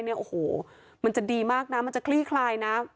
โอ้โหมันจะดีมากนะมันจะคลี่คลายนะ